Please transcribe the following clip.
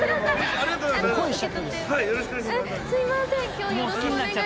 ありがとうございます。